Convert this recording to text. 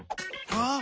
あっ！